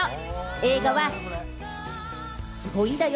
映画はすごいんだよ。